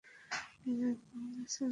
আপনি নাচবেন না, স্যার?